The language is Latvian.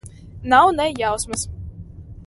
Nav ne jausmas.